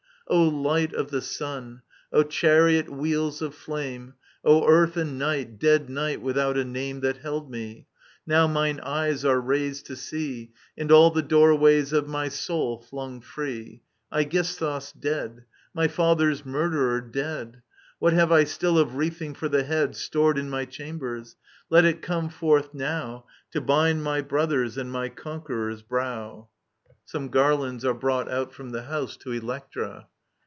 O Light of the Sun, O chariot wheels of flame, O Earth and Night, dead Night without a name That held me ! Now mine eyes are raised to see. And all the doorwa]rs of my soiil flung free. Aegisthus dead I My father's murderer dead I What have I still of wreathing for the head Stored in my chambers ? Let it come forth now To bind my brother's and my conqueror's brow. [Sonti garlands an brought out from the house tt « Electra.